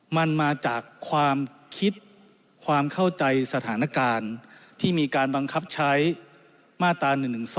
มันมาจากความคิดความเข้าใจสถานการณ์ที่มีการบังคับใช้มาตรา๑๑๒